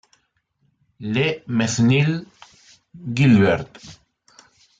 Le Mesnil-Gilbert